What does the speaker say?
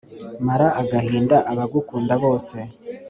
mara agahinda abagukunda bose